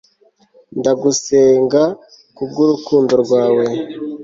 Ndagusenga kubwurukundo rwawe